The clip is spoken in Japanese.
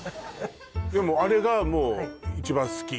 あれがもう一番好き？